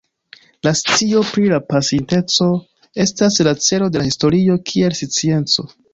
La scio pri la pasinteco estas la celo de la historio kiel scienco.